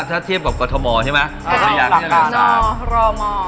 ถ้าเทียบกับกรทมใช่ไหม